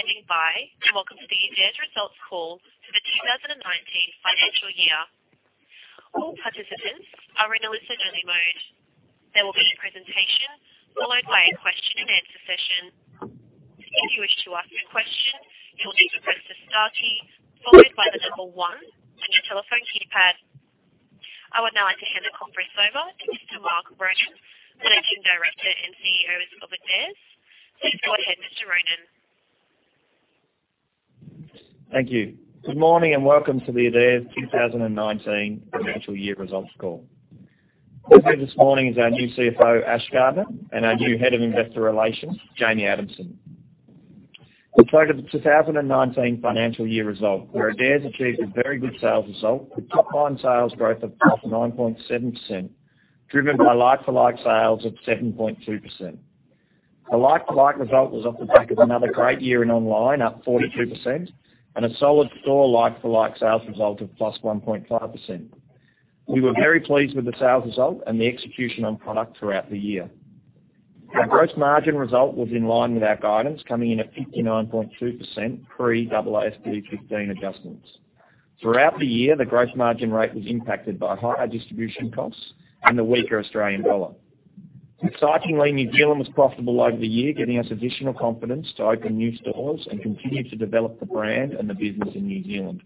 Thank you for standing by, welcome to the Adairs results call for the 2019 financial year. All participants are in a listen-only mode. There will be a presentation followed by a question-and-answer session. If you wish to ask a question, you'll need to press the star key followed by the number one on your telephone keypad. I would now like to hand the conference over to Mr. Mark Ronan, Managing Director and CEO of Adairs. Please go ahead, Mr. Ronan. Thank you. Good morning and welcome to the Adairs 2019 financial year results call. With me this morning is our new CFO, Ashley Gardner, and our new Head of Investor Relations, Jamie Adamson. We target the 2019 financial year result, where Adairs achieved a very good sales result with top-line sales growth of +9.7%, driven by like-for-like sales of 7.2%. The like-for-like result was off the back of another great year in online, up 42%, and a solid store like-for-like sales result of +1.5%. We were very pleased with the sales result and the execution on product throughout the year. Our gross margin result was in line with our guidance, coming in at 59.2% pre AASB 15 adjustments. Throughout the year, the gross margin rate was impacted by higher distribution costs and the weaker Australian dollar. Excitingly, New Zealand was profitable over the year, giving us additional confidence to open new stores and continue to develop the brand and the business in New Zealand.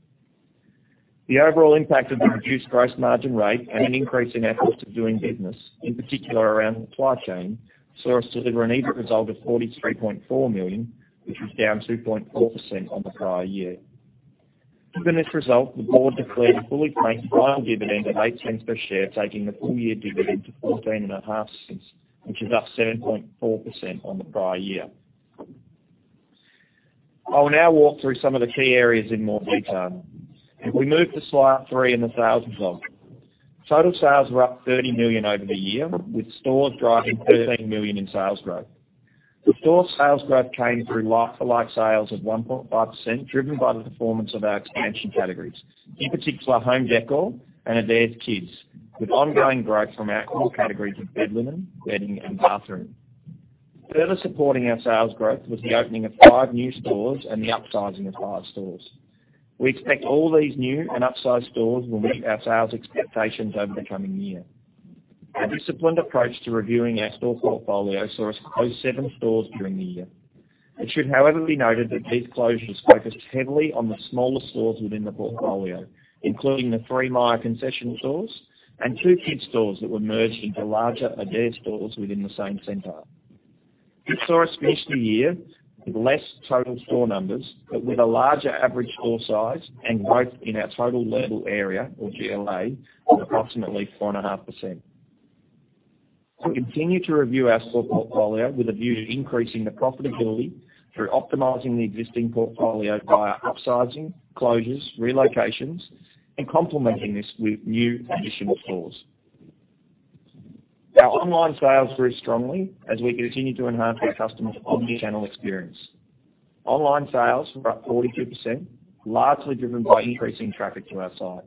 The overall impact of the reduced gross margin rate and an increase in our cost of doing business, in particular around the supply chain, saw us deliver an EBIT result of 43.4 million, which was down 2.4% on the prior year. Given this result, the board declared a fully franked final dividend of 0.08 per share, taking the full-year dividend to 0.145, which is up 7.4% on the prior year. I will now walk through some of the key areas in more detail. If we move to slide three in the sales result. Total sales were up 30 million over the year, with stores driving 13 million in sales growth. The store sales growth came through like-for-like sales of 1.5%, driven by the performance of our expansion categories, in particular Home Decor and Adairs Kids, with ongoing growth from our core categories of bed linen, bedding, and bathroom. Further supporting our sales growth was the opening of five new stores and the upsizing of five stores. We expect all these new and upsized stores will meet our sales expectations over the coming year. A disciplined approach to reviewing our store portfolio saw us close seven stores during the year. It should, however, be noted that these closures focused heavily on the smaller stores within the portfolio, including the three Myer concession stores and two kids stores that were merged into larger Adairs stores within the same center. This saw us finish the year with less total store numbers, but with a larger average store size and growth in our total lettable area, or GLA, of approximately 4.5%. We continue to review our store portfolio with a view to increasing the profitability through optimizing the existing portfolio via upsizing, closures, relocations, and complementing this with new additional stores. Our online sales grew strongly as we continue to enhance our customers' omnichannel experience. Online sales were up 42%, largely driven by increasing traffic to our site.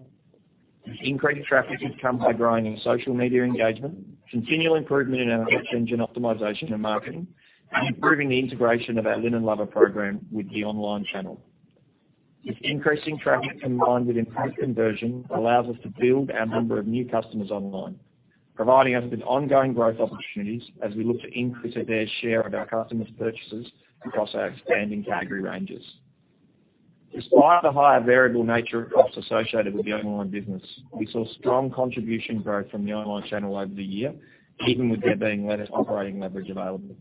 This increased traffic has come by growing our social media engagement, continual improvement in our search engine optimization and marketing, and improving the integration of our Linen Lovers program with the online channel. This increasing traffic combined with improved conversion allows us to build our number of new customers online, providing us with ongoing growth opportunities as we look to increase Adairs' share of our customers' purchases across our expanding category ranges. Despite the higher variable nature of costs associated with the online business, we saw strong contribution growth from the online channel over the year, even with there being less operating leverage available.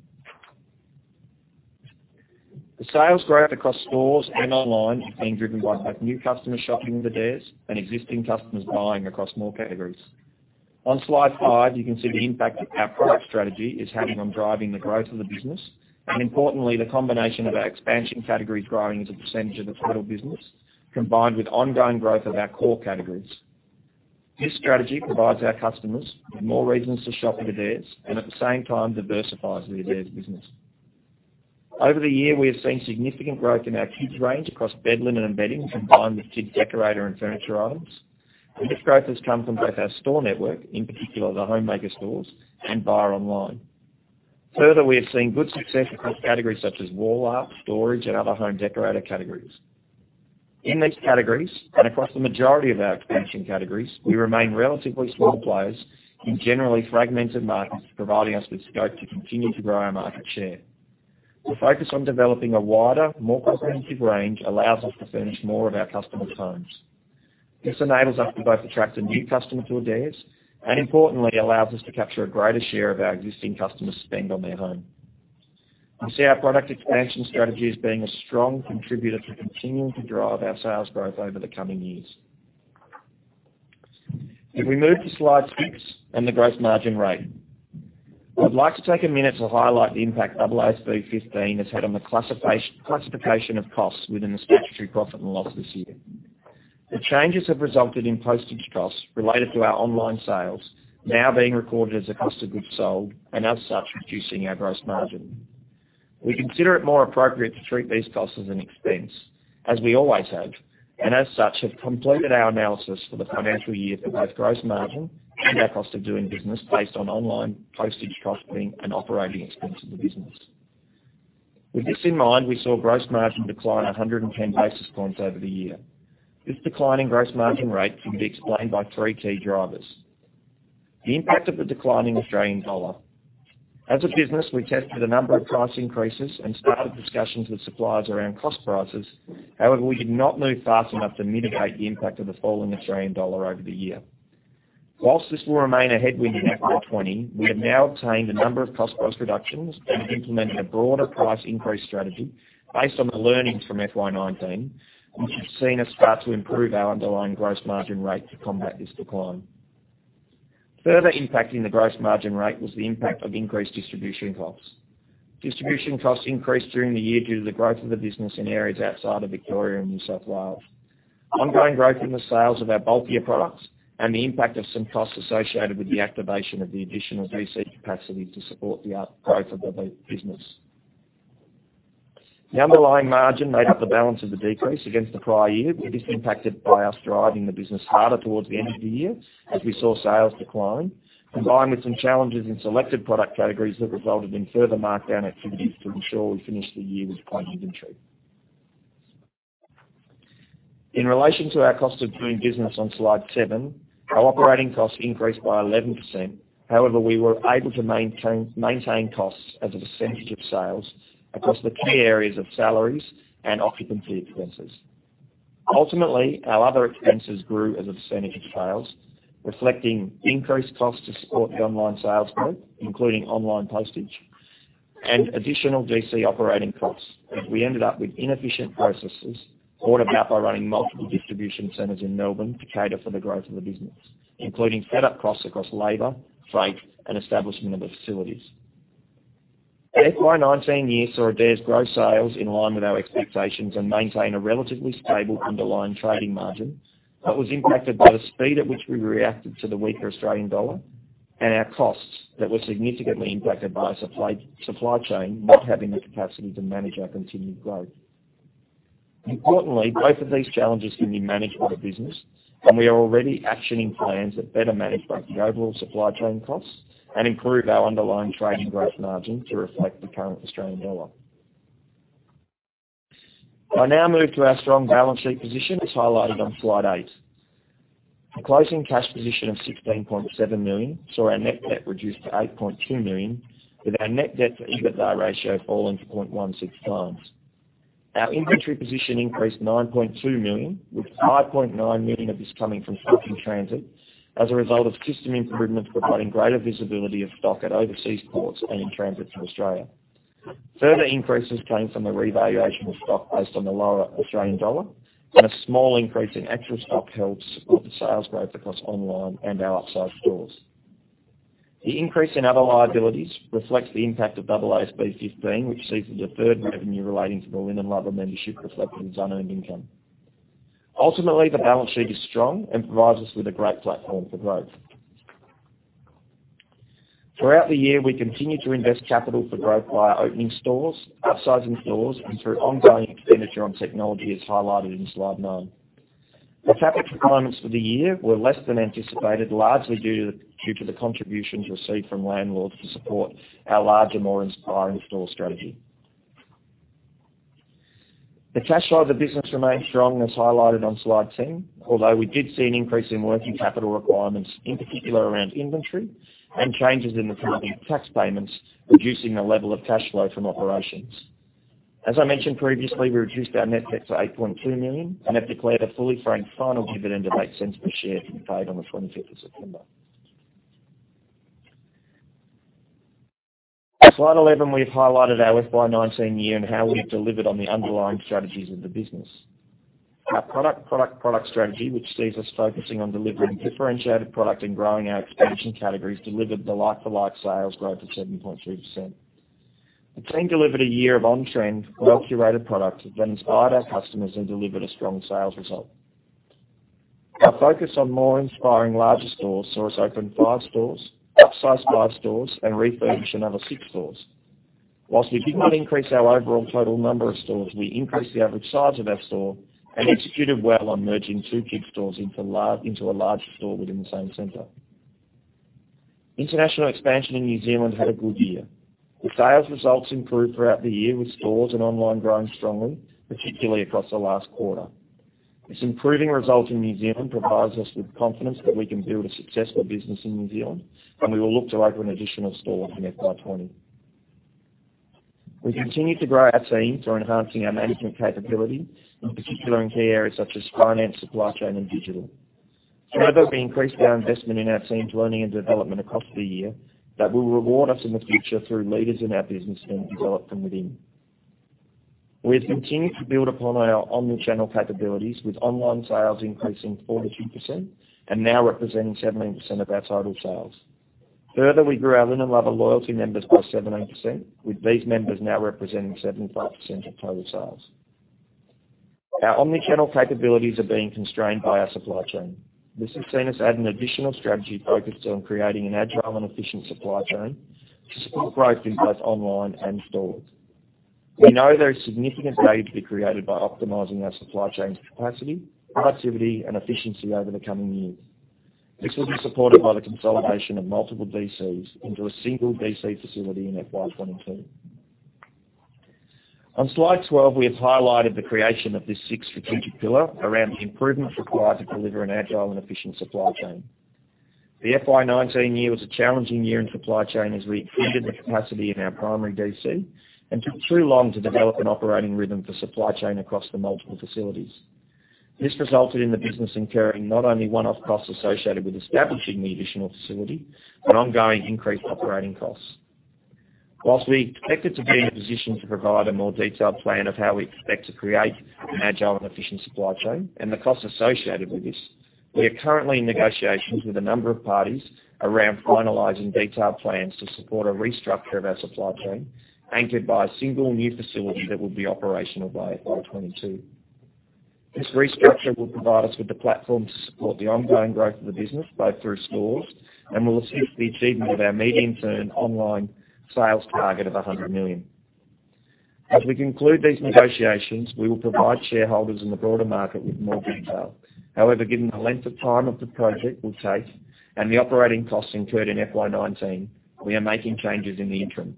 The sales growth across stores and online is being driven by both new customers shopping at Adairs and existing customers buying across more categories. On slide five, you can see the impact that our product strategy is having on driving the growth of the business, and importantly, the combination of our expansion categories growing as a percentage of the total business, combined with ongoing growth of our core categories. This strategy provides our customers with more reasons to shop at Adairs and at the same time diversifies the Adairs business. Over the year, we have seen significant growth in our kids range across bed linen and bedding, combined with kids decorator and furniture items. This growth has come from both our store network, in particular the Homemaker stores, and via online. We have seen good success across categories such as wall art, storage, and other home decorator categories. In these categories and across the majority of our expansion categories, we remain relatively small players in generally fragmented markets, providing us with scope to continue to grow our market share. The focus on developing a wider, more comprehensive range allows us to furnish more of our customers' homes. This enables us to both attract a new customer to Adairs and importantly allows us to capture a greater share of our existing customers' spend on their home. We see our product expansion strategy as being a strong contributor to continuing to drive our sales growth over the coming years. If we move to slide six and the gross margin rate. I'd like to take a minute to highlight the impact AASB 15 has had on the classification of costs within the statutory profit and loss this year. The changes have resulted in postage costs related to our online sales now being recorded as a cost of goods sold and as such, reducing our gross margin. We consider it more appropriate to treat these costs as an expense. As we always have, and as such, have completed our analysis for the financial year for both gross margin and our cost of doing business based on online postage costing and operating expense of the business. With this in mind, we saw gross margin decline 110 basis points over the year. This decline in gross margin rate can be explained by three key drivers. The impact of the decline in Australian dollar. As a business, we tested a number of price increases and started discussions with suppliers around cost prices. However, we did not move fast enough to mitigate the impact of the falling Australian dollar over the year. Whilst this will remain a headwind in FY 2020, we have now obtained a number of cost price reductions and have implemented a broader price increase strategy based on the learnings from FY 2019, which have seen us start to improve our underlying gross margin rate to combat this decline. Further impacting the gross margin rate was the impact of increased distribution costs. Distribution costs increased during the year due to the growth of the business in areas outside of Victoria and New South Wales, ongoing growth in the sales of our bulkier products, and the impact of some costs associated with the activation of the additional DC capacity to support the growth of the business. The underlying margin made up the balance of the decrease against the prior year, with this impacted by us driving the business harder towards the end of the year as we saw sales decline, combined with some challenges in selected product categories that resulted in further markdown activities to ensure we finished the year with clean inventory. In relation to our cost of doing business on slide seven, our operating costs increased by 11%. However, we were able to maintain costs as a percentage of sales across the key areas of salaries and occupancy expenses. Ultimately, our other expenses grew as a percentage of sales, reflecting increased costs to support the online sales growth, including online postage and additional DC operating costs, as we ended up with inefficient processes brought about by running multiple distribution centers in Melbourne to cater for the growth of the business, including set-up costs across labor, freight, and establishment of the facilities. FY 2019 year saw Adairs grow sales in line with our expectations and maintain a relatively stable underlying trading margin that was impacted by the speed at which we reacted to the weaker Australian dollar, and our costs that were significantly impacted by the supply chain not having the capacity to manage our continued growth. Importantly, both of these challenges can be managed by the business, we are already actioning plans that better manage both the overall supply chain costs and improve our underlying trading gross margin to reflect the current Australian dollar. I now move to our strong balance sheet position, as highlighted on slide eight. A closing cash position of 16.7 million saw our net debt reduce to 8.2 million, with our net debt to EBITDA ratio falling to 0.16 times. Our inventory position increased 9.2 million, with 5.9 million of this coming from stock in transit as a result of system improvements providing greater visibility of stock at overseas ports and in transit to Australia. Further increases came from the revaluation of stock based on the lower Australian dollar and a small increase in actual stock held to support the sales growth across online and our upsized stores. The increase in other liabilities reflects the impact of AASB 15, which sees deferred revenue relating to the Linen Lovers membership reflected as unearned income. Ultimately, the balance sheet is strong and provides us with a great platform for growth. Throughout the year, we continued to invest capital for growth via opening stores, upsizing stores, and through ongoing expenditure on technology, as highlighted in slide nine. The capital requirements for the year were less than anticipated, largely due to the contributions received from landlords to support our larger, more inspiring store strategy. The cash flow of the business remains strong, as highlighted on slide 10, although we did see an increase in working capital requirements, in particular around inventory and changes in the timing of tax payments, reducing the level of cash flow from operations. As I mentioned previously, we reduced our net debt to 8.2 million and have declared a fully franked final dividend of 0.08 per share, to be paid on the 25th of September. Slide 11, we've highlighted our FY19 year and how we've delivered on the underlying strategies of the business. Our product, product strategy, which sees us focusing on delivering differentiated product and growing our expansion categories, delivered the like-for-like sales growth of 7.3%. The team delivered a year of on-trend, well-curated product that inspired our customers and delivered a strong sales result. Our focus on more inspiring larger stores saw us open five stores, upsize five stores, and refurbish another six stores. Whilst we did not increase our overall total number of stores, we increased the average size of our store and executed well on merging two big stores into a larger store within the same center. International expansion in New Zealand had a good year. The sales results improved throughout the year, with stores and online growing strongly, particularly across the last quarter. This improving result in New Zealand provides us with confidence that we can build a successful business in New Zealand, and we will look to open additional stores in FY20. We continue to grow our teams who are enhancing our management capability, in particular in key areas such as finance, supply chain, and digital. Further, we increased our investment in our team's learning and development across the year that will reward us in the future through leaders in our business being developed from within. We have continued to build upon our omnichannel capabilities with online sales increasing 42% and now representing 17% of our total sales. Further, we grew our Linen Lovers loyalty members by 17%, with these members now representing 75% of total sales. Our omnichannel capabilities are being constrained by our supply chain. This has seen us add an additional strategy focused on creating an agile and efficient supply chain. Support growth in both online and stores. We know there is significant value to be created by optimizing our supply chain's capacity, productivity, and efficiency over the coming years. This will be supported by the consolidation of multiple DCs into a single DC facility in FY 2022. On slide 12, we have highlighted the creation of this sixth strategic pillar around the improvements required to deliver an agile and efficient supply chain. The FY19 year was a challenging year in supply chain as we exceeded the capacity in our primary DC and took too long to develop an operating rhythm for supply chain across the multiple facilities. This resulted in the business incurring not only one-off costs associated with establishing the additional facility, but ongoing increased operating costs. Whilst we expect it to be in a position to provide a more detailed plan of how we expect to create an agile and efficient supply chain and the costs associated with this, we are currently in negotiations with a number of parties around finalizing detailed plans to support a restructure of our supply chain, anchored by a single new facility that will be operational by FY22. This restructure will provide us with the platform to support the ongoing growth of the business, both through stores and will assist the achievement of our medium-term online sales target of 100 million. As we conclude these negotiations, we will provide shareholders in the broader market with more detail. However, given the length of time of the project will take and the operating costs incurred in FY 2019, we are making changes in the interim.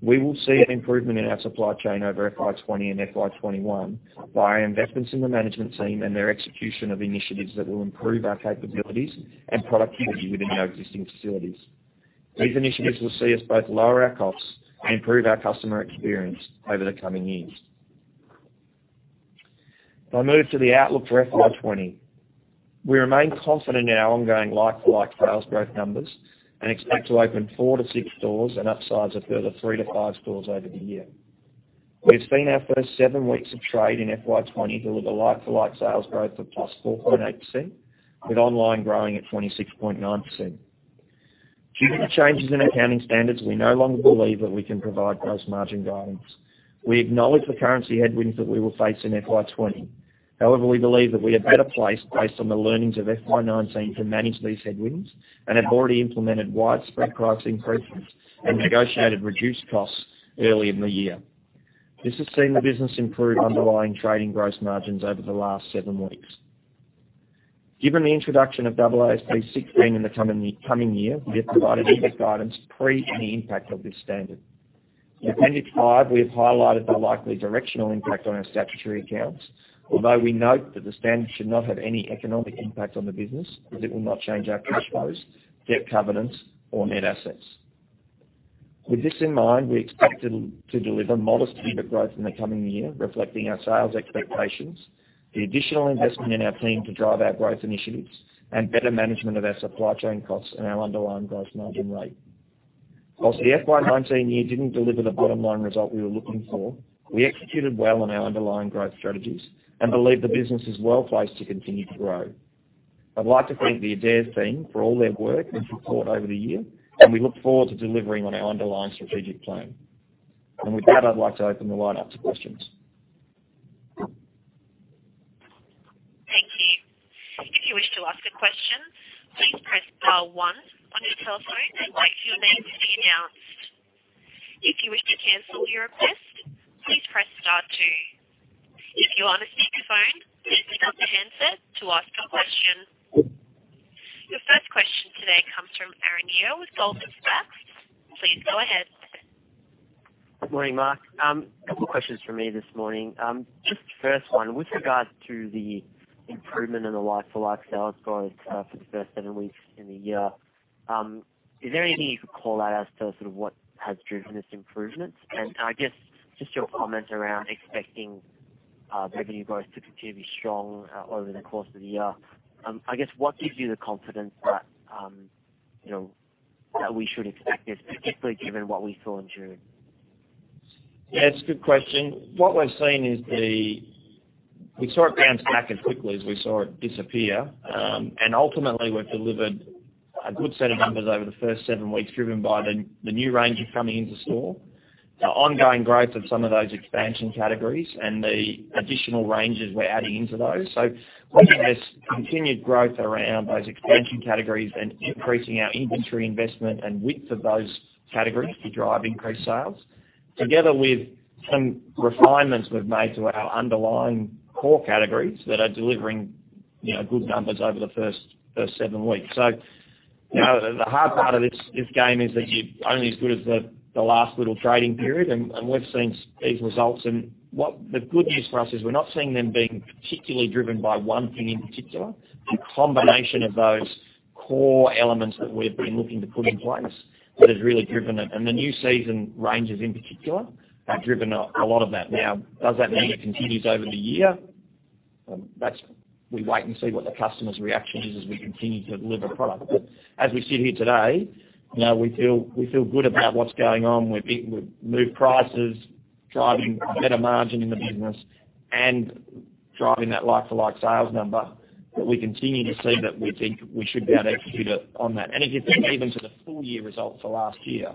We will see an improvement in our supply chain over FY 2020 and FY 2021 by our investments in the management team and their execution of initiatives that will improve our capabilities and productivity within our existing facilities. These initiatives will see us both lower our costs and improve our customer experience over the coming years. If I move to the outlook for FY 2020. We remain confident in our ongoing like-for-like sales growth numbers and expect to open 4 to 6 stores and upsize a further 3 to 5 stores over the year. We've seen our first seven weeks of trade in FY20 deliver like-for-like sales growth of +4.8%, with online growing at 26.9%. Given the changes in accounting standards, we no longer believe that we can provide gross margin guidance. We acknowledge the currency headwinds that we will face in FY20. However, we believe that we are better placed based on the learnings of FY19 to manage these headwinds and have already implemented widespread price increases and negotiated reduced costs early in the year. This has seen the business improve underlying trading gross margins over the last seven weeks. Given the introduction of AASB 16 in the coming year, we have provided EBIT guidance pre any impact of this standard. In appendix five, we have highlighted the likely directional impact on our statutory accounts, although we note that the standard should not have any economic impact on the business as it will not change our cash flows, debt covenants or net assets. With this in mind, we expect to deliver modest EBIT growth in the coming year, reflecting our sales expectations, the additional investment in our team to drive our growth initiatives, and better management of our supply chain costs and our underlying gross margin rate. Whilst the FY 2019 year didn't deliver the bottom-line result we were looking for, we executed well on our underlying growth strategies and believe the business is well-placed to continue to grow. I'd like to thank the Adairs team for all their work and support over the year, and we look forward to delivering on our underlying strategic plan. With that, I'd like to open the line up to questions. Thank you. If you wish to ask a question, please press star one on your telephone and wait for your name to be announced. If you wish to cancel your request, please press star two. If you are on a speakerphone, please pick up the handset to ask a question. Your first question today comes from Aaron Yeo with Goldman Sachs. Please go ahead. Good morning, Mark. A couple questions from me this morning. Just the first one, with regards to the improvement in the like-for-like sales growth for the first seven weeks in the year, is there anything you could call out as to sort of what has driven this improvement? I guess just your comment around expecting revenue growth to continue to be strong over the course of the year. I guess what gives you the confidence that we should expect this, particularly given what we saw in June? Yeah, it's a good question. We saw it bounce back as quickly as we saw it disappear. Ultimately, we've delivered a good set of numbers over the first seven weeks, driven by the new ranges coming into store, the ongoing growth of some of those expansion categories and the additional ranges we're adding into those. We think there's continued growth around those expansion categories and increasing our inventory investment and width of those categories to drive increased sales, together with some refinements we've made to our underlying core categories that are delivering good numbers over the first seven weeks. The hard part of this game is that you're only as good as the last little trading period, and we've seen these results. The good news for us is we're not seeing them being particularly driven by one thing in particular. A combination of those core elements that we've been looking to put in place that has really driven it. The new season ranges in particular have driven a lot of that. Does that mean it continues over the year? We wait and see what the customer's reaction is as we continue to deliver product. As we sit here today, we feel good about what's going on. We've moved prices, driving a better margin in the business and driving that like-for-like sales number, that we continue to see that we think we should be able to execute it on that. If you think even to the full-year result for last year,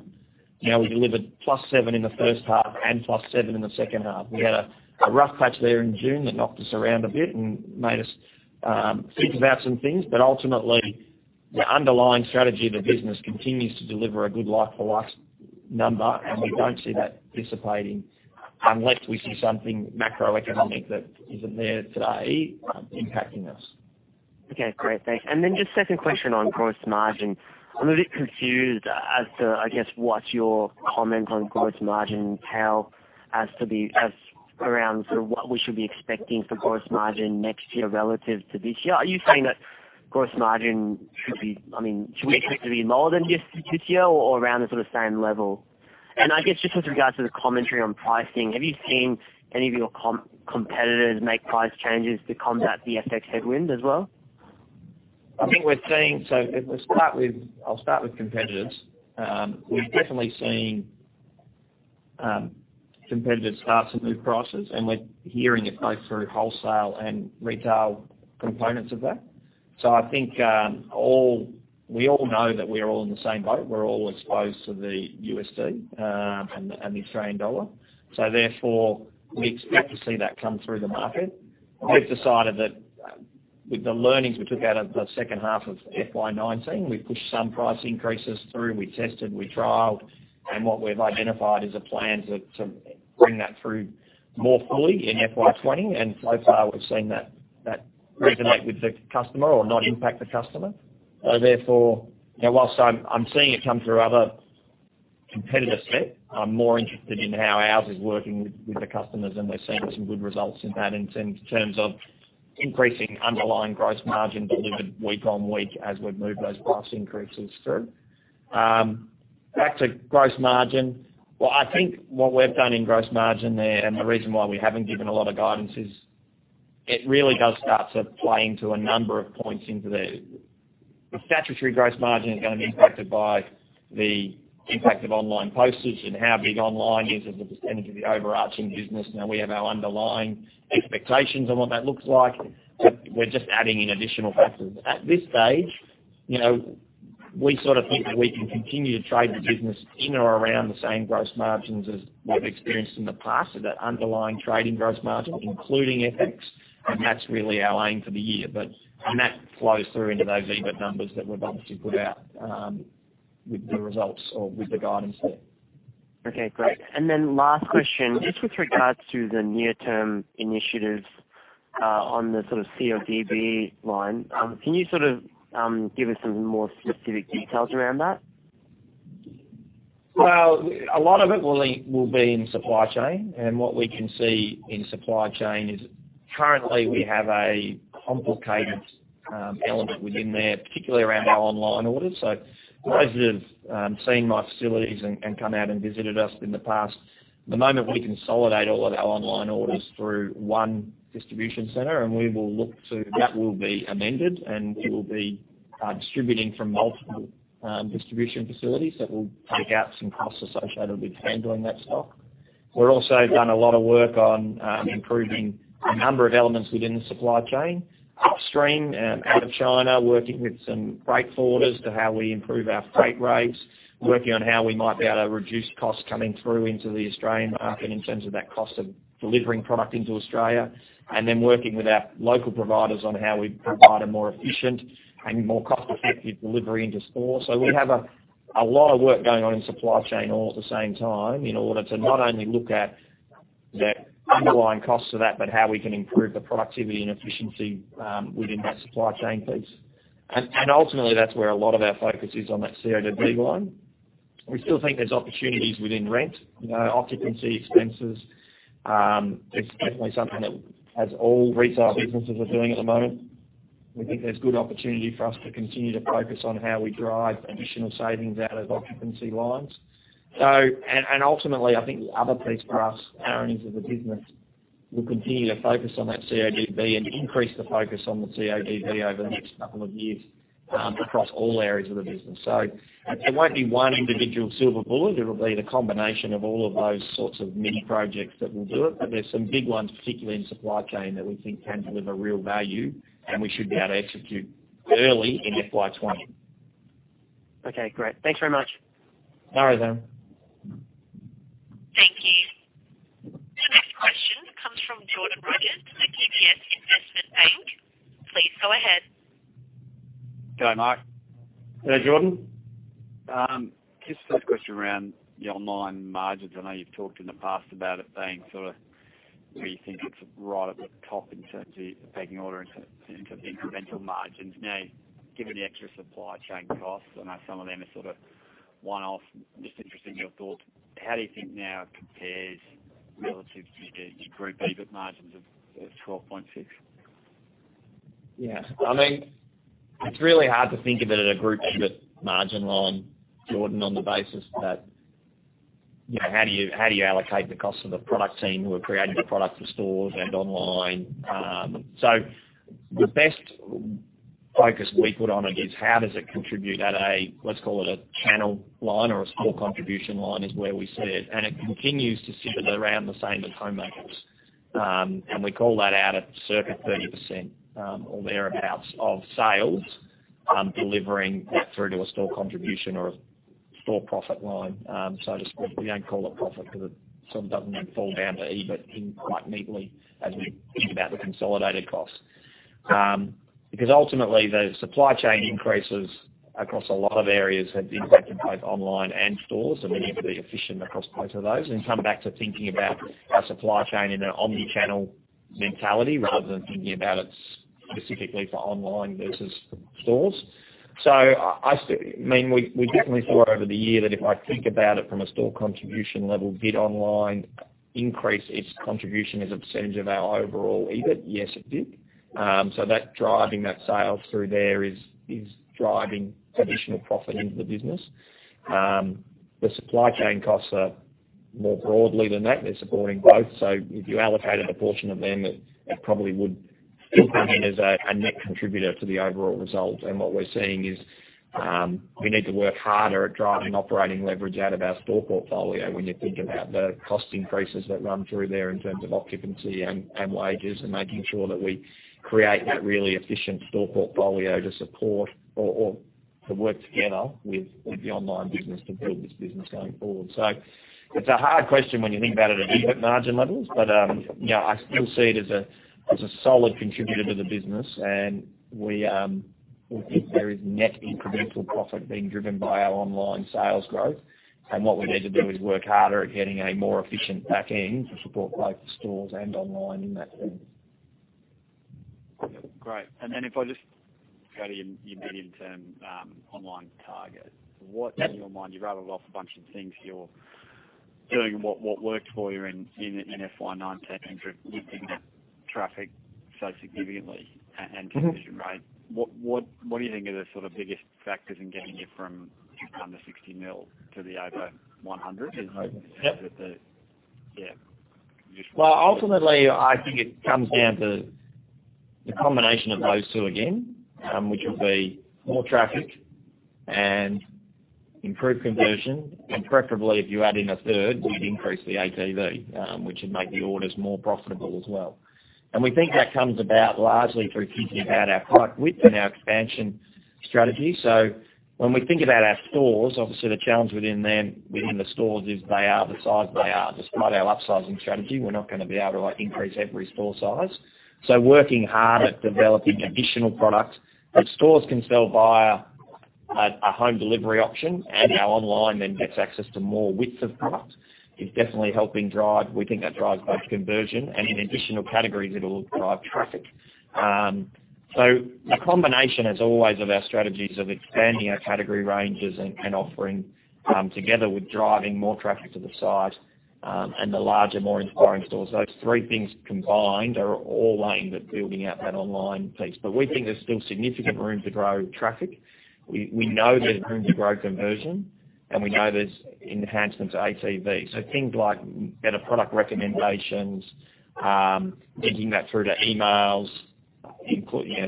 we delivered plus seven in the first half and plus seven in the second half. We had a rough patch there in June that knocked us around a bit and made us think about some things. Ultimately, the underlying strategy of the business continues to deliver a good like-for-like number, and we don't see that dissipating unless we see something macroeconomic that isn't there today impacting us. Okay, great. Thanks. Just second question on gross margin. I'm a bit confused as to what's your comment on gross margin tail as around sort of what we should be expecting for gross margin next year relative to this year? Are you saying that gross margin should we expect it to be lower than this year, or around the sort of same level? Just with regards to the commentary on pricing, have you seen any of your competitors make price changes to combat the FX headwind as well? I'll start with competitors. We've definitely seen competitors start to move prices, and we're hearing it both through wholesale and retail components of that. I think we all know that we're all in the same boat. We're all exposed to the USD and the Australian dollar. Therefore, we expect to see that come through the market. We've decided that with the learnings we took out of the second half of FY 2019, we pushed some price increases through, we tested, we trialed, and what we've identified is a plan to bring that through more fully in FY 2020, and so far, we've seen that resonate with the customer or not impact the customer. Therefore, whilst I'm seeing it come through other competitor set, I'm more interested in how ours is working with the customers, and we're seeing some good results in that in terms of increasing underlying gross margin delivered week on week as we've moved those price increases through. Back to gross margin. Well, I think what we've done in gross margin there, and the reason why we haven't given a lot of guidance is it really does start to play into a number of points. The statutory gross margin is going to be impacted by the impact of online postage and how big online is as a percentage of the overarching business. We have our underlying expectations on what that looks like. We're just adding in additional factors. At this stage, we sort of think that we can continue to trade the business in or around the same gross margins as we've experienced in the past. That underlying trading gross margin, including FX, and that's really our aim for the year. That flows through into those EBIT numbers that we've obviously put out with the results or with the guidance there. Okay, great. Last question, just with regards to the near-term initiatives on the sort of CODB line, can you give us some more specific details around that? Well, a lot of it will be in supply chain. What we can see in supply chain is currently we have a complicated element within there, particularly around our online orders. Those that have seen my facilities and come out and visited us in the past, at the moment we consolidate all of our online orders through one distribution center. That will be amended. We will be distributing from multiple distribution facilities that will take out some costs associated with handling that stock. We're also doing a lot of work on improving a number of elements within the supply chain upstream out of China, working with some freight forwarders to how we improve our freight rates, working on how we might be able to reduce costs coming through into the Australian market in terms of that cost of delivering product into Australia, and then working with our local providers on how we provide a more efficient and more cost-effective delivery into store. We have a lot of work going on in supply chain all at the same time in order to not only look at the underlying costs of that, but how we can improve the productivity and efficiency within that supply chain piece. Ultimately, that's where a lot of our focus is on that CODB line. We still think there's opportunities within rent, occupancy expenses. It's definitely something that as all retail businesses are doing at the moment. We think there's good opportunity for us to continue to focus on how we drive additional savings out of occupancy lines. Ultimately, I think the other piece for us, Aaron, is that the business will continue to focus on that CODB and increase the focus on the CODB over the next couple of years across all areas of the business. It won't be one individual silver bullet. It'll be the combination of all of those sorts of mini projects that will do it, but there's some big ones, particularly in supply chain, that we think can deliver real value and we should be able to execute early in FY 2020. Okay, great. Thanks very much. No worries, Aaron. Thank you. The next question comes from Jordan Rochester at UBS Investment Bank. Please go ahead. G'day, Mark. Hey, Jordan. Just a first question around the online margins. I know you've talked in the past about it being sort of where you think it's right at the top in terms of the pecking order, in terms of the incremental margins. Given the extra supply chain costs, I know some of them are sort of one-off, I'm just interested in your thoughts. How do you think now it compares relative to your group EBIT margins of 12.6%? Yeah. I mean, it's really hard to think of it at a group EBIT margin line, Jordan, on the basis that how do you allocate the cost of the product team who are creating the product for stores and online? The best focus we put on it is how does it contribute at a, let's call it a channel line or a store contribution line is where we see it, and it continues to sit at around the same as Homemaker. We call that out at circa 30%, or thereabouts, of sales delivering that through to a store contribution or a store profit line. We don't call it profit because it sort of doesn't fall down to EBIT quite neatly as we think about the consolidated costs. Ultimately, the supply chain increases across a lot of areas have impacted both online and stores, and we need to be efficient across both of those and come back to thinking about our supply chain in an omni-channel mentality rather than thinking about it specifically for online versus stores. We definitely saw over the year that if I think about it from a store contribution level bit online increase its contribution as a percentage of our overall EBIT, yes, it did. That driving that sale through there is driving additional profit into the business. The supply chain costs are more broadly than that, they're supporting growth. If you allocated a portion of them, it probably would dip in as a net contributor to the overall result. What we're seeing is, we need to work harder at driving operating leverage out of our store portfolio when you think about the cost increases that run through there in terms of occupancy and wages and making sure that we create that really efficient store portfolio to support or to work together with the online business to build this business going forward. It's a hard question when you think about it at EBIT margin levels, but, I still see it as a solid contributor to the business, and we think there is net incremental profit being driven by our online sales growth. What we need to do is work harder at getting a more efficient back end to support both stores and online in that sense. Great. Then if I just go to your medium-term online target, what in your mind, you rattled off a bunch of things you're doing, what worked for you in FY 2019 with lifting that traffic so significantly and conversion rate? What do you think are the sort of biggest factors in getting you from under 60 million to the over 100? Yep. Yeah. Ultimately, I think it comes down to the combination of those two again, which will be more traffic and improved conversion. Preferably if you add in a third, we'd increase the ATV, which would make the orders more profitable as well. We think that comes about largely through thinking about our product width and our expansion strategy. When we think about our stores, obviously the challenge within the stores is they are the size they are. Despite our upsizing strategy, we're not going to be able to increase every store size. Working hard at developing additional products that stores can sell via a home delivery option and our online then gets access to more widths of products, is definitely helping drive. We think that drives both conversion and in additional categories it'll drive traffic. The combination, as always, of our strategies of expanding our category ranges and offering, together with driving more traffic to the site, and the larger, more inspiring stores. Those three things combined are all aimed at building out that online piece. We think there's still significant room to grow traffic. We know there's room to grow conversion, and we know there's enhancements to ATV. Things like better product recommendations, thinking that through to emails,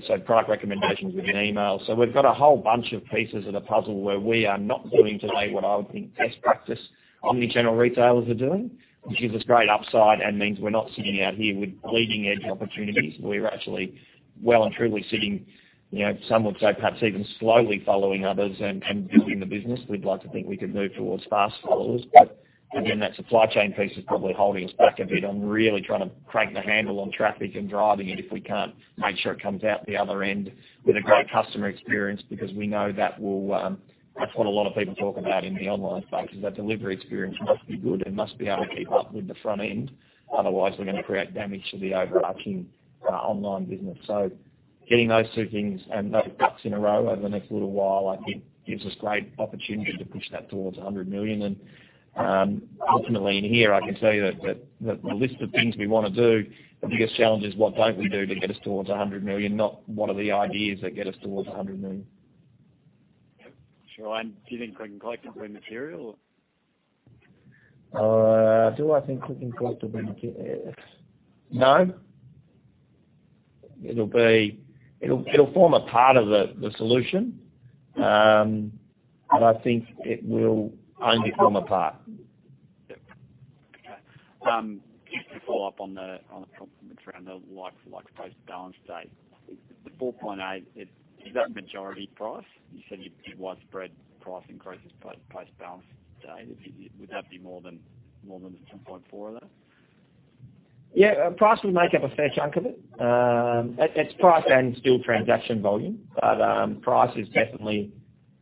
so product recommendations within email. We've got a whole bunch of pieces of the puzzle where we are not doing today what I would think best practice omni-channel retailers are doing, which gives us great upside and means we're not sitting out here with leading-edge opportunities. We're actually well and truly sitting, some would say perhaps even slowly following others and building the business. We'd like to think we could move towards fast followers, but again, that supply chain piece is probably holding us back a bit on really trying to crank the handle on traffic and driving it if we can't make sure it comes out the other end with a great customer experience. We know that's what a lot of people talk about in the online space, is that delivery experience must be good and must be able to keep up with the front end. Otherwise, we're going to create damage to the overarching online business. Getting those two things and those ducks in a row over the next little while, I think gives us great opportunity to push that towards 100 million. ultimately in here I can say that the list of things we want to do, the biggest challenge is what don't we do to get us towards 100 million, not what are the ideas that get us towards 100 million. Sure. Do you think click and collect will be material? Do I think click-and-collect will be material? No. It'll form a part of the solution. I think it will only form a part. Yep. Okay. Just to follow up on the like-for-like post-balance date, the 4.8%, is that majority price? You said you did widespread price increases post-balance date. Would that be more than the 2.4% of that? Yeah, price will make up a fair chunk of it. It's price and still transaction volume. Price is definitely--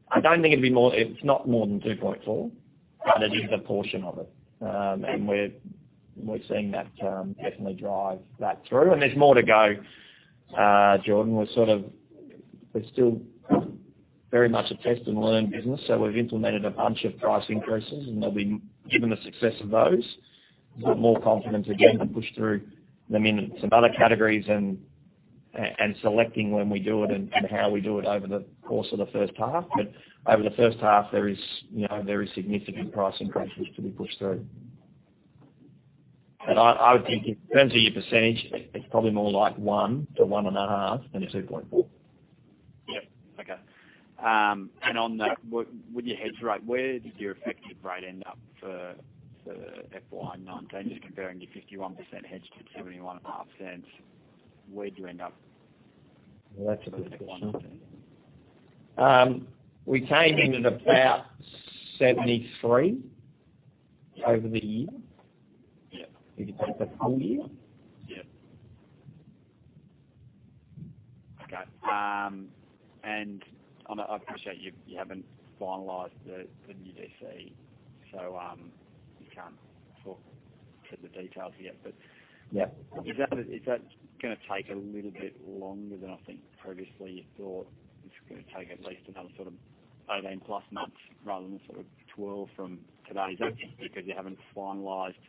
I don't think it'll be more, it's not more than 2.4%, but it is a portion of it. We're seeing that definitely drive that through. There's more to go, Jordan. We're still very much a test and learn business, so we've implemented a bunch of price increases, and given the success of those, we've got more confidence again to push through them in some other categories and selecting when we do it and how we do it over the course of the first half. Over the first half, there is significant price increases to be pushed through. I would think in terms of your percentage, it's probably more like 1%-1.5% than a 2.4%. Yep. Okay. On that, with your hedge rate, where did your effective rate end up for FY 2019? Just comparing your 51% hedge to 0.715, where do you end up? Well, that's a good question. We came in at about 73 over the year. Yeah. If you take the full year. Yeah. Okay. I appreciate you haven't finalized the new DC, so you can't talk to the details yet. Yeah is that going to take a little bit longer than I think previously you thought? It's going to take at least another sort of 18 plus months rather than sort of 12 from today. Is that just because you haven't finalized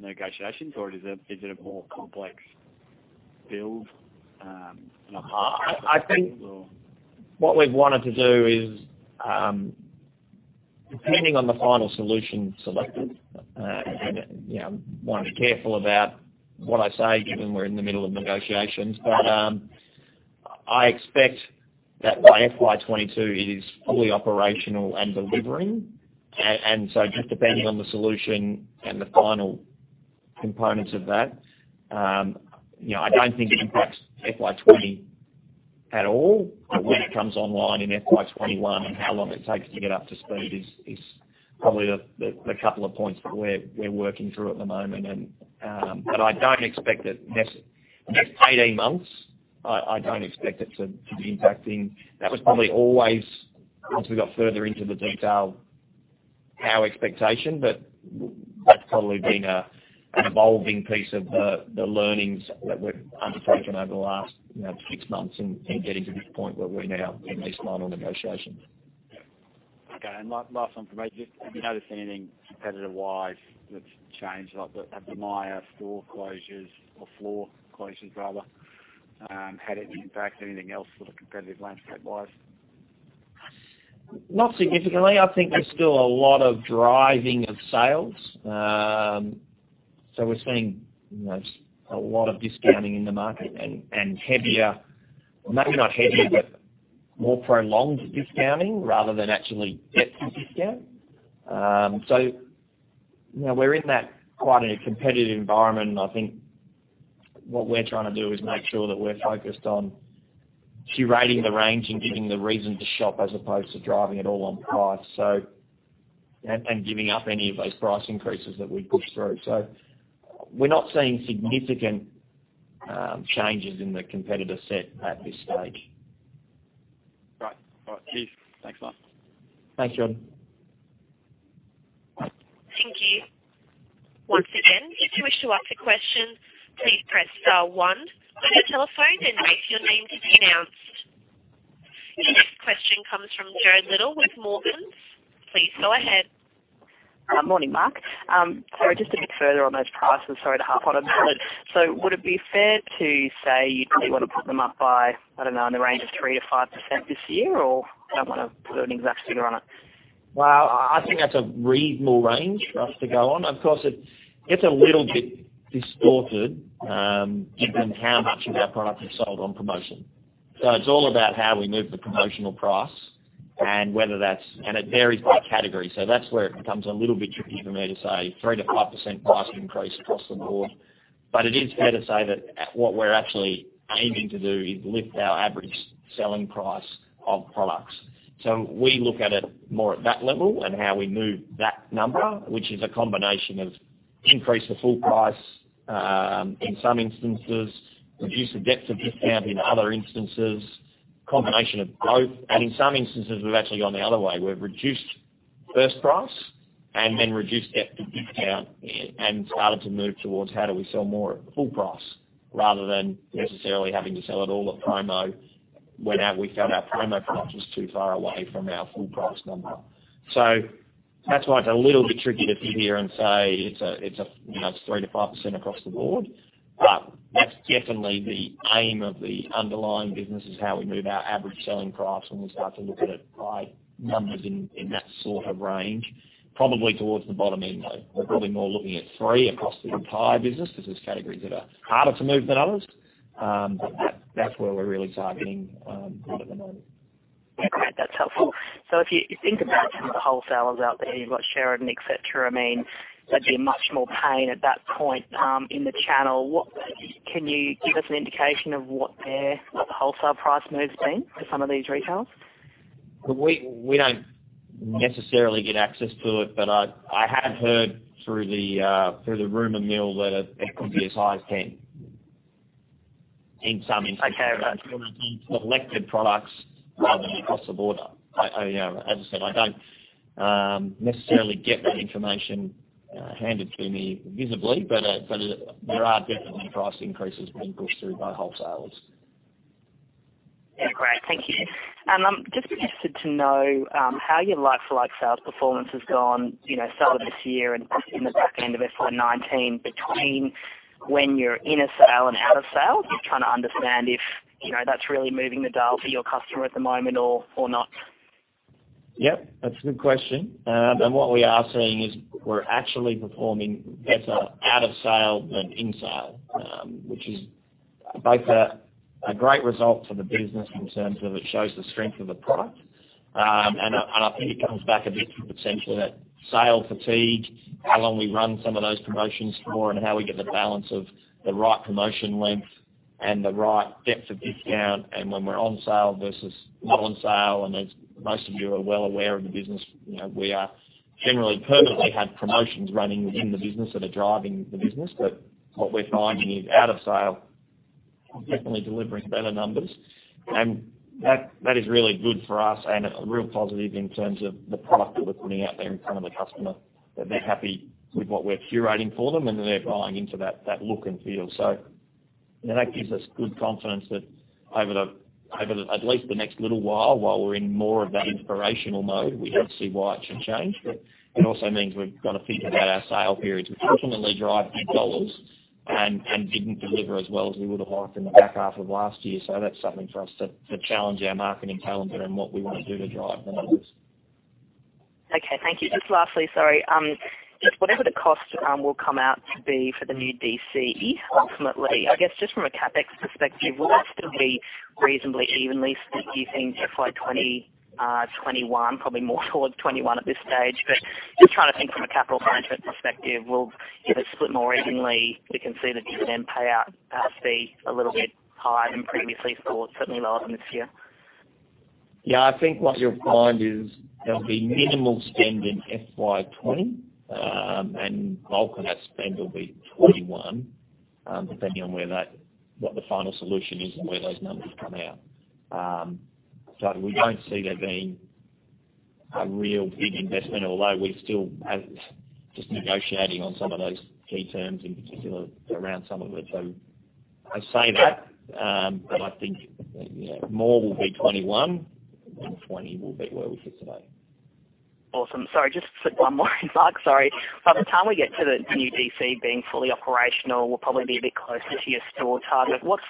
negotiations, or is it a more complex build? I think what we've wanted to do is, depending on the final solution selected, I want to be careful about what I say, given we're in the middle of negotiations, I expect that by FY22 it is fully operational and delivering. Just depending on the solution and the final components of that. I don't think it impacts FY20 at all, when it comes online in FY21 and how long it takes to get up to speed is probably the couple of points that we're working through at the moment. I don't expect it, the next 18 months, I don't expect it to be impacting. That was probably always, once we got further into the detail, our expectation, but that's probably been an evolving piece of the learnings that we've undertaken over the last six months in getting to this point where we're now in these final negotiations. Okay, last one from me. Have you noticed anything competitor-wise that's changed, like the Myer store closures or floor closures, rather? Has it impacted anything else sort of competitive landscape-wise? Not significantly. I think there's still a lot of driving of sales. We're seeing a lot of discounting in the market and heavier, maybe not heavier, but more prolonged discounting rather than actually depth of discount. We're in that quite a competitive environment, and I think what we're trying to do is make sure that we're focused on curating the range and giving the reason to shop as opposed to driving it all on price, and giving up any of those price increases that we've pushed through. We're not seeing significant changes in the competitor set at this stage. Right. All right, chief. Thanks a lot. Thanks, Jordan. Thank you. Once again, if you wish to ask a question, please press star one on your telephone and wait for your name to be announced. The next question comes from Jared Little with Morgans. Please go ahead. Morning, Mark. Sorry, just a bit further on those prices. Sorry to harp on about it. Would it be fair to say you probably want to put them up by, I don't know, in the range of 3%-5% this year, or don't want to put an exact figure on it? Well, I think that's a reasonable range for us to go on. Of course, it gets a little bit distorted given how much of our product is sold on promotion. It's all about how we move the promotional price and it varies by category, that's where it becomes a little bit tricky for me to say 3%-5% price increase across the board. It is fair to say that what we're actually aiming to do is lift our average selling price of products. We look at it more at that level and how we move that number, which is a combination of increase the full price, in some instances, reduce the depth of discount in other instances, combination of both, and in some instances, we've actually gone the other way. We've reduced first price and then reduced depth of discount and started to move towards how do we sell more at full price rather than necessarily having to sell it all at promo when we felt our promo price was too far away from our full price number. That's why it's a little bit tricky to sit here and say it's 3%-5% across the board, but that's definitely the aim of the underlying business is how we move our average selling price, and we'll start to look at it by numbers in that sort of range. Probably towards the bottom end, though. We're probably more looking at 3% across the entire business because there's categories that are harder to move than others. That's where we're really targeting at the moment. Okay, great. That's helpful. If you think about some of the wholesalers out there, you've got Sheridan, et cetera, there'd be much more pain at that point in the channel. Can you give us an indication of what the wholesale price move's been for some of these retails? We don't necessarily get access to it, but I have heard through the rumor mill that it could be as high as 10 in some instances. Okay. Selected products rather than across the board. As I said, I don't necessarily get that information handed to me visibly, but there are definitely price increases being pushed through by wholesalers. Yeah, great. Thank you. I'm just interested to know how your like-for-like sales performance has gone, summer this year and in the back end of FY 2019, between when you're in a sale and out of sale. Just trying to understand if that's really moving the dial for your customer at the moment or not. Yep, that's a good question. What we are seeing is we're actually performing better out of sale than in sale, which is both a great result for the business in terms of it shows the strength of the product. I think it comes back a bit to potentially that sale fatigue, how long we run some of those promotions for, and how we get the balance of the right promotion length and the right depth of discount, and when we're on sale versus not on sale. As most of you are well aware of the business, we generally permanently have promotions running within the business that are driving the business. What we're finding is out of sale, we're definitely delivering better numbers. That is really good for us and a real positive in terms of the product that we're putting out there in front of the customer, that they're happy with what we're curating for them, and they're buying into that look and feel. That gives us good confidence that over at least the next little while we're in more of that inspirational mode, we don't see why it should change. It also means we've got to think about our sale periods, which definitely drive big dollars and didn't deliver as well as we would've liked in the back half of last year. That's something for us to challenge our marketing calendar and what we want to do to drive the numbers. Okay, thank you. Just lastly, sorry. Just whatever the cost will come out to be for the new DC, ultimately, I guess just from a CapEx perspective, will that still be reasonably evenly split do you think, FY 2021, probably more towards FY 2021 at this stage? Just trying to think from a capital management perspective, will, if it's split more evenly, we can see the dividend payout perhaps be a little bit higher than previously thought, certainly lower than this year? I think what you'll find is there'll be minimal spend in FY 2020, and bulk of that spend will be FY 2021, depending on what the final solution is and where those numbers come out. We don't see there being a real big investment, although we're still just negotiating on some of those key terms, in particular around some of it. I say that, but I think more will be FY 2021 than FY 2020 will be where we sit today. Awesome. Sorry, just one more, Mark, sorry. By the time we get to the new DC being fully operational, we'll probably be a bit closer to your store target. What's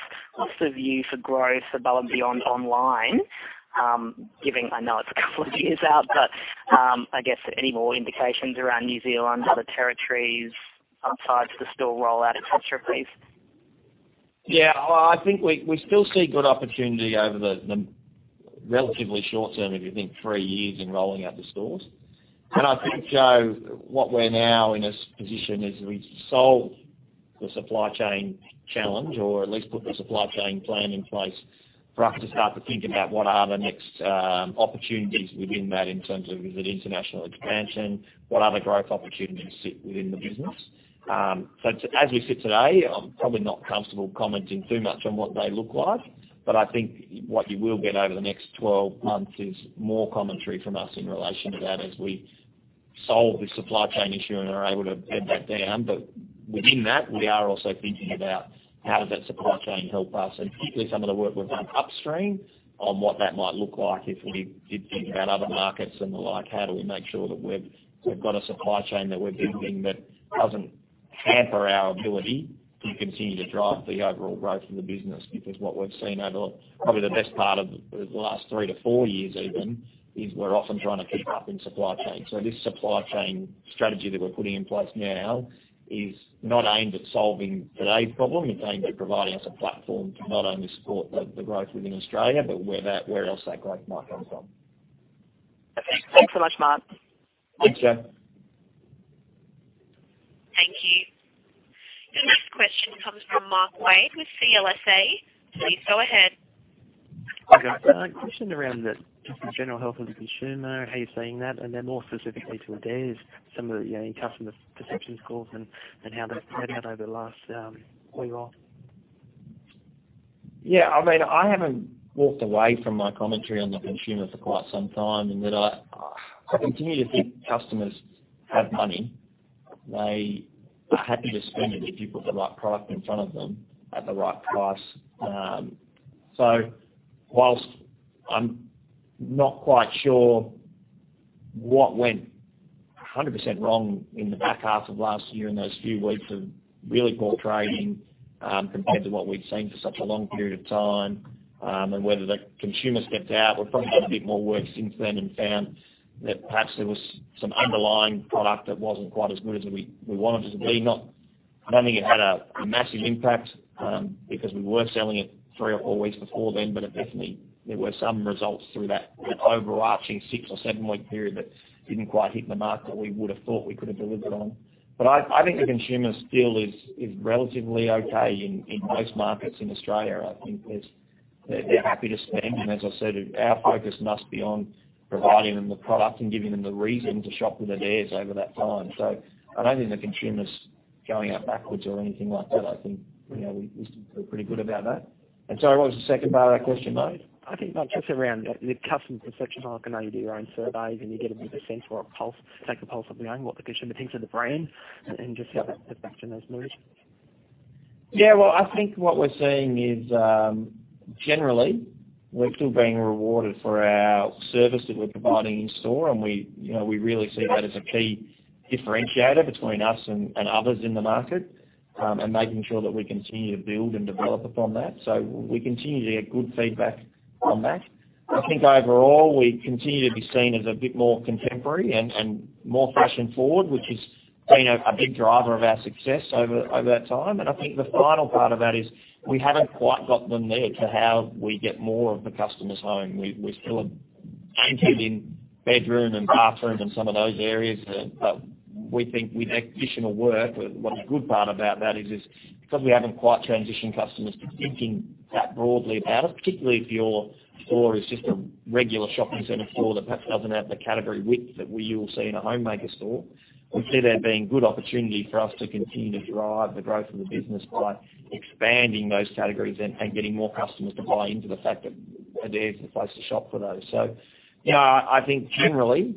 the view for growth for Belle & Beyond online? I know it's a couple of years out, but I guess any more indications around New Zealand, other territories, aside to the store rollout, et cetera, please? Yeah. I think we still see good opportunity over the relatively short term, if you think three years in rolling out the stores. I think, Jo, what we're now in a position is we've solved the supply chain challenge or at least put the supply chain plan in place for us to start to think about what are the next opportunities within that in terms of, is it international expansion, what other growth opportunities sit within the business? As we sit today, I'm probably not comfortable commenting too much on what they look like, but I think what you will get over the next 12 months is more commentary from us in relation to that as we solve the supply chain issue and are able to bed that down. Within that, we are also thinking about how does that supply chain help us, and particularly some of the work we've done upstream on what that might look like if we did think about other markets and the like, how do we make sure that we've got a supply chain that we're building that doesn't hamper our ability to continue to drive the overall growth of the business? What we've seen over probably the best part of the last three to four years even, is we're often trying to keep up in supply chain. This supply chain strategy that we're putting in place now is not aimed at solving today's problem. It's aimed at providing us a platform to not only support the growth within Australia, but where else that growth might come from. Okay. Thanks so much, Mark. Thanks, Jo. Thank you. The next question comes from Mark Wade with CLSA. Please go ahead. Okay. A question around the just the general health of the consumer, how you're seeing that, and then more specifically to Adairs, some of your customer perceptions calls and how they've played out over the last wee while. Yeah, I haven't walked away from my commentary on the consumer for quite some time in that I continue to think customers have money. They are happy to spend it if you put the right product in front of them at the right price. Whilst I'm not quite sure what went 100% wrong in the back half of last year in those few weeks of really poor trading compared to what we'd seen for such a long period of time, and whether the consumer stepped out. We've probably done a bit more work since then and found that perhaps there was some underlying product that wasn't quite as good as we wanted it to be. Not meaning it had a massive impact, because we were selling it three or four weeks before then, but definitely there were some results through that overarching six or seven-week period that didn't quite hit the mark that we would've thought we could have delivered on. I think the consumer still is relatively okay in most markets in Australia. I think they're happy to spend, and as I said, our focus must be on providing them the product and giving them the reason to shop with Adairs over that time. I don't think the consumer's going out backwards or anything like that. I think we still feel pretty good about that. Sorry, what was the second part of that question, Mark? I think just around the customer perception, like I know you do your own surveys and you get a bit of a sense or a pulse, take a pulse of your own, what the consumer thinks of the brand and just how that perception has moved. Yeah. Well, I think what we're seeing is, generally, we're still being rewarded for our service that we're providing in store, and we really see that as a key differentiator between us and others in the market, and making sure that we continue to build and develop upon that. We continue to get good feedback on that. I think overall, we continue to be seen as a bit more contemporary and more fashion-forward, which has been a big driver of our success over that time. I think the final part of that is we haven't quite got them there to how we get more of the customers home. We're still in bedroom and bathroom and some of those areas that we think with additional work, what a good part about that is because we haven't quite transitioned customers to thinking that broadly about it, particularly if your floor is just a regular shopping center floor that perhaps doesn't have the category width that you will see in a Homemaker store. We see there being good opportunity for us to continue to drive the growth of the business by expanding those categories and getting more customers to buy into the fact that Adairs is the place to shop for those. Yeah, I think generally,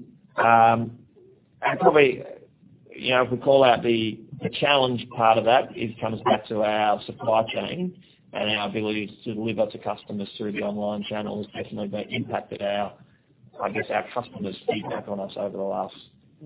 if we call out the challenge part of that, it comes back to our supply chain and our ability to deliver to customers through the online channel has definitely impacted our customers' feedback on us over the last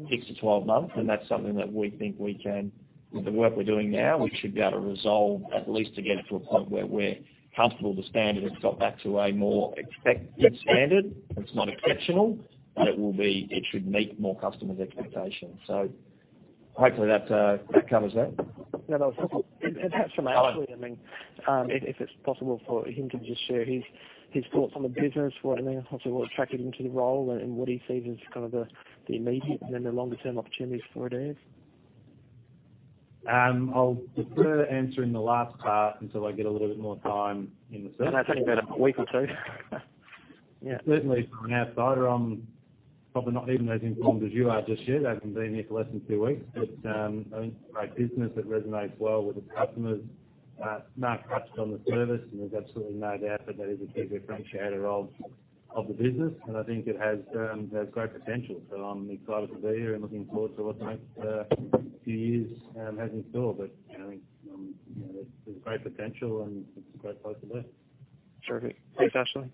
6 to 12 months. That's something that we think we can, with the work we're doing now, we should be able to resolve at least to get it to a point where we're comfortable the standard has got back to a more expected standard. It's not exceptional, but it should meet more customers' expectations. Hopefully that covers that. No. Perhaps from Ashley. Oh. If it's possible for him to just share his thoughts on the business, what attracted him to the role, and what he sees as kind of the immediate and then the longer-term opportunities for Adairs. I'll defer answering the last part until I get a little bit more time in the business. That'll take about a week or two. Yeah. Certainly from an outsider, I'm probably not even as informed as you are just yet. I've been here for less than two weeks, but it's a great business that resonates well with its customers. Mark touched on the service, and there's absolutely no doubt that is a key differentiator of the business, and I think it has great potential. I'm excited to be here and looking forward to what the next few years has in store, but there's great potential and it's a great place to be. Terrific. Thanks, Ashley.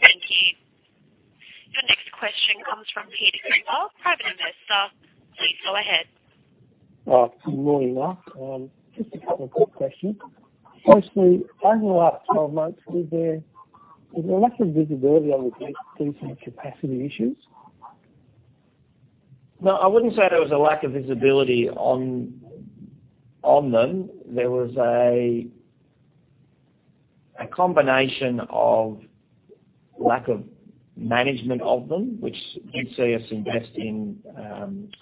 Thank you. Your next question comes from Peter Greenhalgh, Private Investor. Please go ahead. Good morning, Mark. Just a couple of quick questions. Mostly, over the last 12 months, was there a lack of visibility on the DC capacity issues? No, I wouldn't say there was a lack of visibility on them. There was a combination of lack of management of them, which you'd see us invest in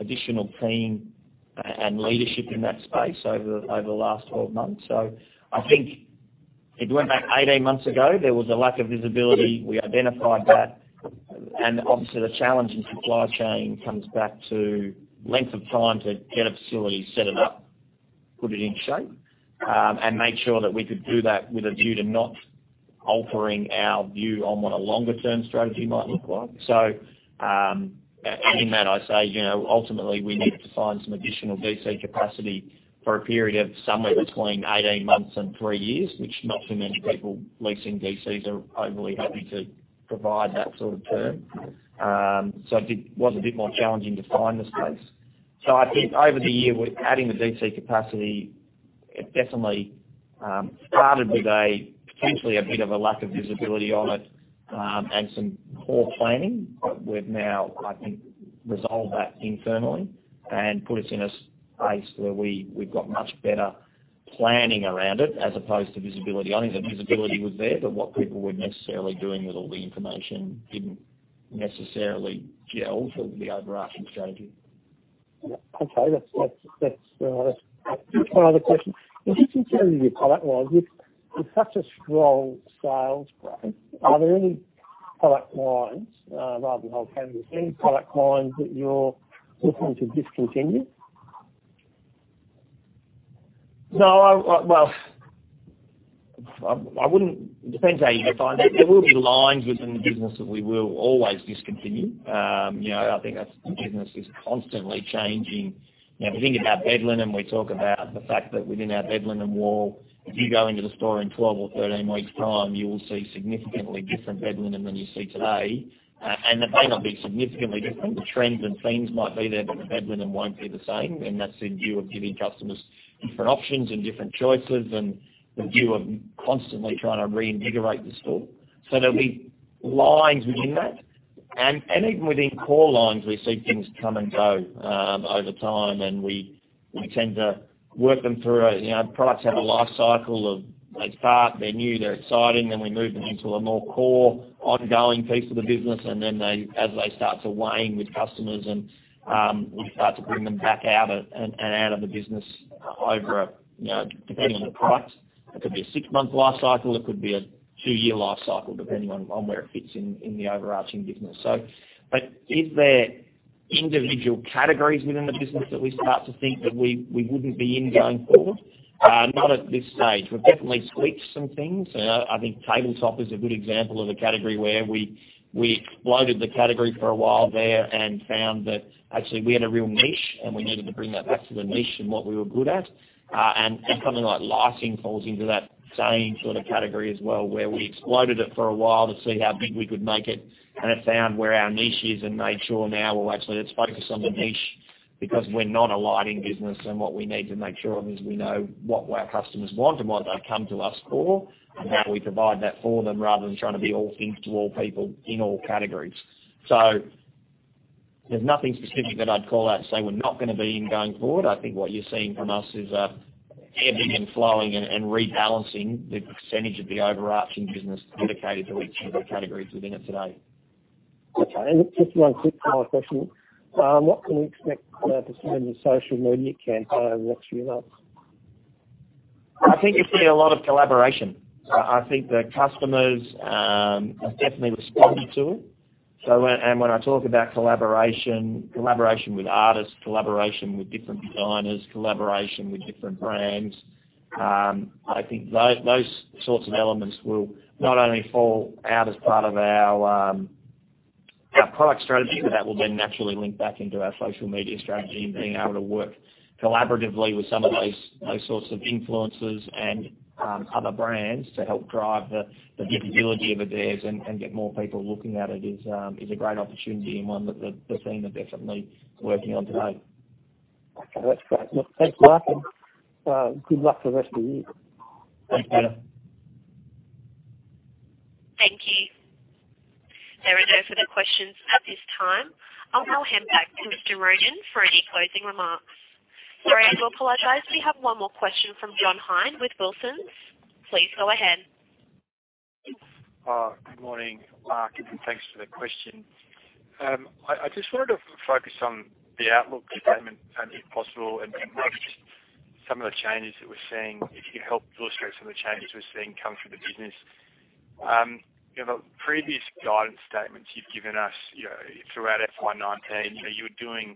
additional team and leadership in that space over the last 12 months. I think if we went back 18 months ago, there was a lack of visibility. We identified that, obviously the challenge in supply chain comes back to length of time to get a facility set it up, put it in shape, and make sure that we could do that with a view to not altering our view on what a longer-term strategy might look like. In that I say ultimately we needed to find some additional DC capacity for a period of somewhere between 18 months and three years, which not too many people leasing DCs are overly happy to provide that sort of term. It was a bit more challenging to find the space. I think over the year, adding the DC capacity, it definitely started with potentially a bit of a lack of visibility on it, and some poor planning. We've now, I think, resolved that internally and put us in a space where we've got much better planning around it as opposed to visibility. I think the visibility was there, but what people were necessarily doing with all the information didn't necessarily gel for the overarching strategy. Yeah. Okay. That's one other question. Just in terms of your product lines, with such a strong sales growth, are there any product lines, rather than whole categories, any product lines that you're looking to discontinue? No. Well, it depends how you define that. There will be lines within the business that we will always discontinue. I think as the business is constantly changing. If you think about bed linen, we talk about the fact that within our bed linen wall, if you go into the store in 12 or 13 weeks' time, you will see significantly different bed linen than you see today. It may not be significantly different. The trends and themes might be there, but the bed linen won't be the same, and that's in view of giving customers different options and different choices and the view of constantly trying to reinvigorate the store. There'll be lines within that. Even within core lines, we see things come and go over time and we tend to work them through. Products have a life cycle of they start, they're new, they're exciting, then we move them into a more core ongoing piece of the business, and then as they start to wane with customers, we start to bring them back out and out of the business over, depending on the product, it could be a six-month life cycle, it could be a two-year life cycle, depending on where it fits in the overarching business. Is there individual categories within the business that we start to think that we wouldn't be in going forward? Not at this stage. We've definitely tweaked some things. I think tabletop is a good example of a category where we exploded the category for a while there and found that actually we had a real niche, and we needed to bring that back to the niche and what we were good at. Something like lighting falls into that same sort of category as well, where we exploded it for a while to see how big we could make it, and have found where our niche is and made sure now, well, actually let's focus on the niche because we're not a lighting business, and what we need to make sure of is we know what our customers want and what they come to us for, and how we provide that for them rather than trying to be all things to all people in all categories. There's nothing specific that I'd call out and say we're not going to be in going forward. I think what you're seeing from us is ebbing and flowing and rebalancing the percentage of the overarching business dedicated to each of the categories within it today. Okay. Just one quick follow-up question. What can we expect to see on your social media campaign over the next few months? I think you'll see a lot of collaboration. I think the customers have definitely responded to it. When I talk about collaboration with artists, collaboration with different designers, collaboration with different brands, I think those sorts of elements will not only fall out as part of our product strategy, but that will then naturally link back into our social media strategy and being able to work collaboratively with some of those sorts of influencers and other brands to help drive the visibility of Adairs and get more people looking at it is a great opportunity and one that the team are definitely working on today. Okay, that's great. Look, thanks, Mark, and good luck for the rest of the year. Thanks, Peter. Thank you. There are no further questions at this time. I'll now hand back to Mr. Ronan for any closing remarks. Sorry, I do apologize, we have one more question from John Hynd with Wilsons. Please go ahead. Good morning, Mark, and thanks for the question. I just wanted to focus on the outlook statement, if possible, and maybe just some of the changes that we're seeing, if you could help illustrate some of the changes we're seeing come through the business. The previous guidance statements you've given us throughout FY19, you were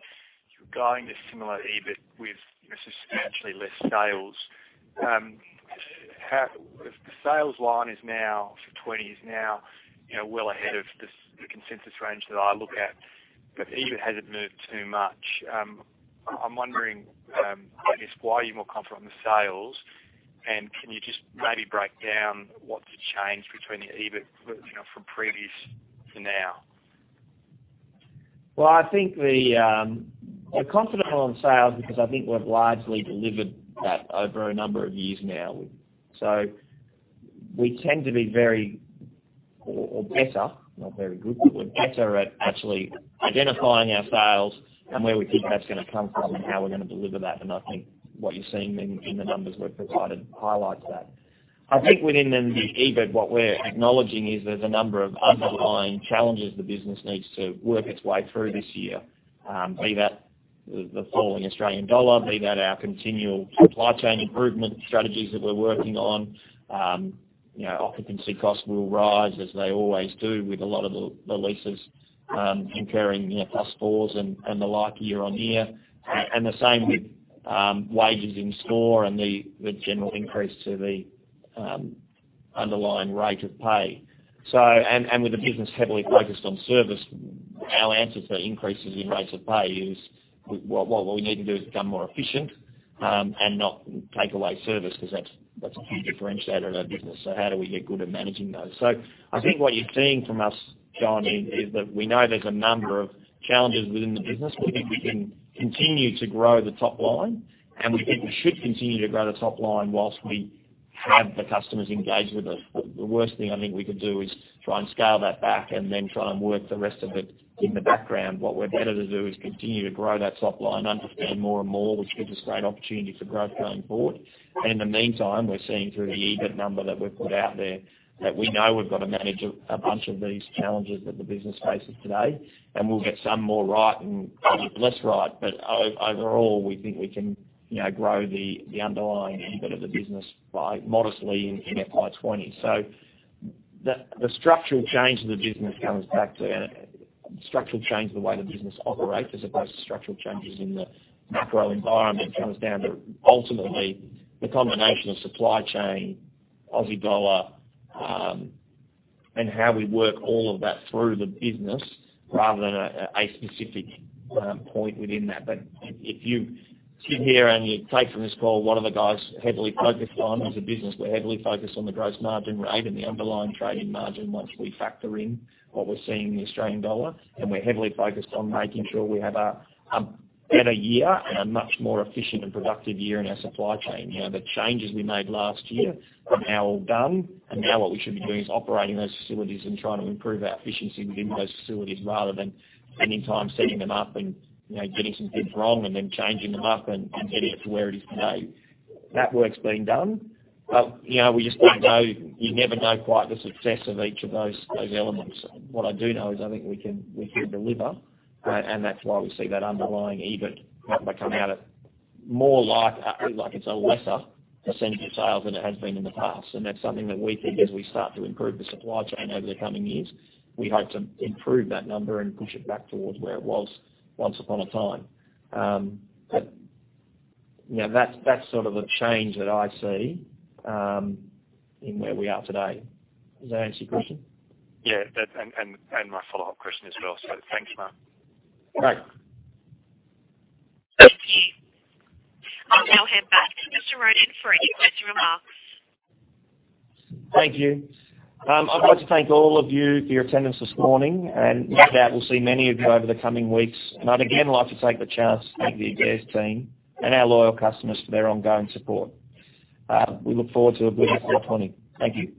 guiding to similar EBIT with substantially less sales. The sales line for FY20 is now well ahead of the consensus range that I look at, but EBIT hasn't moved too much. I'm wondering why you're more confident on the sales, and can you just maybe break down what the change between the EBIT from previous to now? I think we're confident on sales because I think we've largely delivered that over a number of years now. We tend to be very, or better, not very good, but we're better at actually identifying our sales and where we think that's going to come from and how we're going to deliver that. I think what you're seeing in the numbers we've provided highlights that. I think within then the EBIT, what we're acknowledging is there's a number of underlying challenges the business needs to work its way through this year. Be that the falling Australian dollar, be that our continual supply chain improvement strategies that we're working on. Occupancy costs will rise as they always do with a lot of the leases incurring plus fours and the like year on year. The same with wages in store and the general increase to the underlying rate of pay. With the business heavily focused on service, our answer for increases in rates of pay is what we need to do is become more efficient and not take away service, because that's a key differentiator in our business. How do we get good at managing those? I think what you're seeing from us, John, is that we know there's a number of challenges within the business. We think we can continue to grow the top line, and we think we should continue to grow the top line whilst we have the customers engaged with us. The worst thing I think we could do is try and scale that back and then try and work the rest of it in the background. What we're better to do is continue to grow that top line, understand more and more, which gives us great opportunity for growth going forward. In the meantime, we're seeing through the EBIT number that we've put out there that we know we've got to manage a bunch of these challenges that the business faces today, and we'll get some more right and probably less right. Overall, we think we can grow the underlying EBIT of the business modestly in FY 2020. The structural change of the business comes back to structural change in the way the business operates as opposed to structural changes in the macro environment comes down to ultimately the combination of supply chain, Aussie dollar, and how we work all of that through the business rather than a specific point within that. If you sit here and you take from this call what are the guys heavily focused on as a business, we're heavily focused on the gross margin rate and the underlying trading margin once we factor in what we're seeing in the Australian dollar. We're heavily focused on making sure we have a better year and a much more efficient and productive year in our supply chain. The changes we made last year are now all done, and now what we should be doing is operating those facilities and trying to improve our efficiency within those facilities rather than spending time setting them up and getting some things wrong and then changing them up and getting it to where it is today. That work's been done. We just don't know. You never know quite the success of each of those elements. What I do know is I think we can deliver, that's why we see that underlying EBIT number come out at more like it's a lesser % of sales than it has been in the past. That's something that we think as we start to improve the supply chain over the coming years, we hope to improve that number and push it back towards where it was once upon a time. That's sort of the change that I see in where we are today. Does that answer your question? Yeah. My follow-up question as well. Thank you, Mark. Great. Thank you. I'll now hand back to Mr. Ronan for any closing remarks. Thank you. I'd like to thank all of you for your attendance this morning, no doubt we'll see many of you over the coming weeks. I'd again like to take the chance to thank the Adairs team and our loyal customers for their ongoing support. We look forward to a good FY 2020. Thank you.